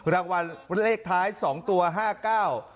รางวัลเลขท้าย๒ตัว๕เก้า